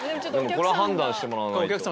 これは判断してもらわないと。